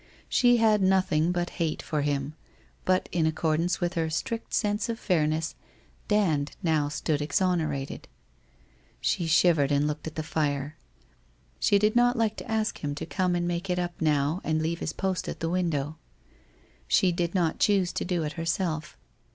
She had nothing but hate for him, but in accordance with her strict sense of fair ness, Dand now stood exonerated. She shivered and looked at the fire. She did not like to ask him to come and make it up now and leave his post at the window. She WHITE ROSE OF WEARY LEAF 311 did not choose to do it herself.